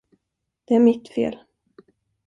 Det är mitt fel.